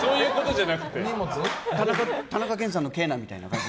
田中健さんのケーナみたいな感じ？